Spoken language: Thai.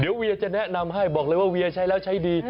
เดี๋ยวเวียจะแนะนำให้บอกเลยว่าเวียใช้แล้วใช้ดี